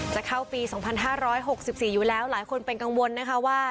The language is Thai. จะเข้าปีสองพันห้าร้อยหกสิบสี่อยู่แล้วหลายคนเป็นกังวลนะคะว่า